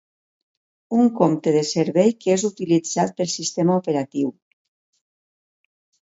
Un compte de servei que és utilitzat pel sistema operatiu.